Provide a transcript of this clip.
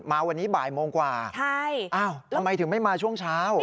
มาวันนี้บ่ายโมงกว่าทำไมถึงไม่มาช่วงเช้า